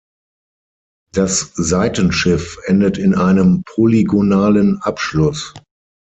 Das Seitenschiff endet in einem polygonalen Abschluss.